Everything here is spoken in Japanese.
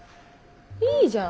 いいじゃん？